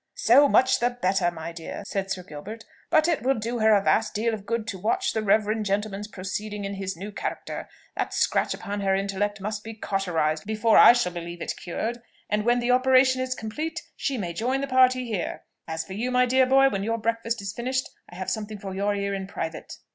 "So much the better, my dear," said Sir Gilbert; "but it will do her a vast deal of good to watch the reverend gentleman's proceedings in his new character. That scratch upon her intellect must be cauterized before I shall believe it cured; and when the operation is complete, she may join the party here. As for you, my dear boy, when your breakfast is finished I have something for your ear in private."